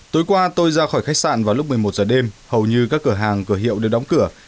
tối qua tôi ra khỏi khách sạn vào lúc một mươi một giờ đêm hầu như các cửa hàng cửa hiệu đều đóng cửa